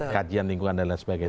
kajian lingkungan dan lain sebagainya